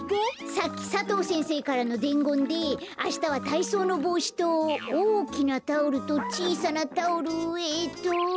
さっき佐藤先生からのでんごんであしたはたいそうのぼうしとおおきなタオルとちいさなタオルえっと。